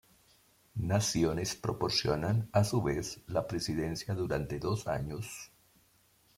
Naciones proporcionan, a su vez, la presidencia durante dos años.